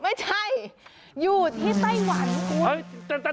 ไม่ใช่อยู่ที่ไต้หวันคุณ